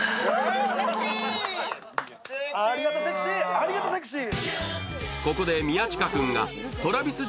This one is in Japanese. ありがとセクシー！